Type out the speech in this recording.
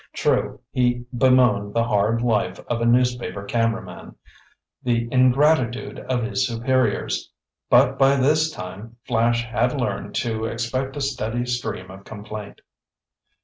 True, he bemoaned the hard life of a newspaper cameraman, the ingratitude of his superiors. But by this time Flash had learned to expect a steady stream of complaint.